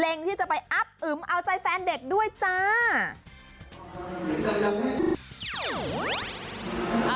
ที่จะไปอับอึมเอาใจแฟนเด็กด้วยจ้า